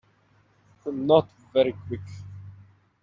Not very Quick.